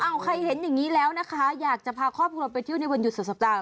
เอาใครเห็นอย่างนี้แล้วนะคะอยากจะพาครอบครัวไปเที่ยวในวันหยุดสุดสัปดาห